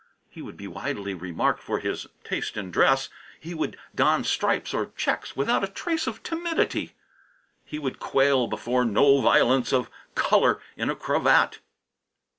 He would be widely remarked for his taste in dress. He would don stripes or checks without a trace of timidity. He would quail before no violence of colour in a cravat.